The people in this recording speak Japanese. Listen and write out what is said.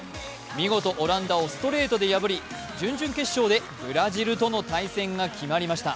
見事オランダをストレートで破り準々決勝でブラジルとの対戦が決まりました。